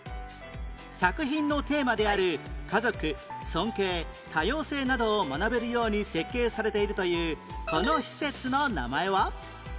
作品のテーマである「家族」「尊敬」「多様性」などを学べるように設計されているというこの施設の名前は？